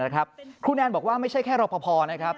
ครูแนนบอกว่าไม่ใช่แค่รอปภนะครับ